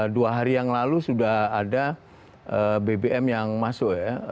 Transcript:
dua hari yang lalu sudah ada bbm yang masuk ya